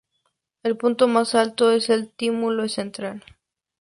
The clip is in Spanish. El punto más alto es el túmulo central.